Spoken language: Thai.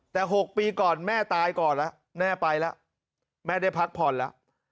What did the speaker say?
แต่๖ปีก่อนแม่ตายก่อนแล้วแม่ไปแล้วแม่ได้พักผ่อนแล้ว